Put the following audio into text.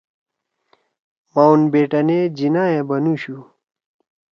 ماؤنٹ بیٹین ئے جناح ئے بنُوشُو۔